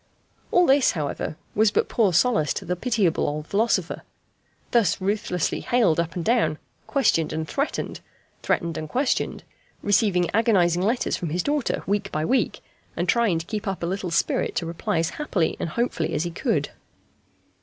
All this, however, was but poor solace to the pitiable old philosopher, thus ruthlessly haled up and down, questioned and threatened, threatened and questioned, receiving agonizing letters from his daughter week by week, and trying to keep up a little spirit to reply as happily and hopefully as he could.